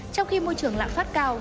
trong khi môi trường lạng phát cao